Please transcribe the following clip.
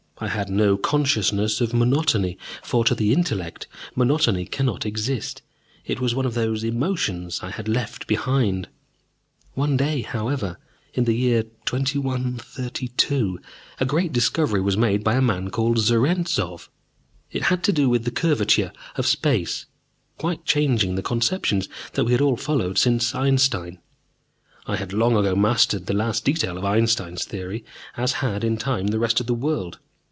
I had no consciousness of monotony, for, to the intellect, monotony cannot exist: it was one of those emotions I had left behind. One day, however, in the year 2132, a great discovery was made by a man called Zarentzov. It had to do with the curvature of space, quite changing the conceptions that we had all followed since Einstein. I had long ago mastered the last detail of Einstein's theory, as had, in time, the rest of the world.